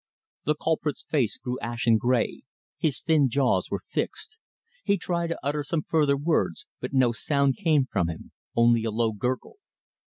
The culprit's face grew ashen grey, his thin jaws were fixed. He tried to utter some further words, but no sound came from him, only a low gurgle.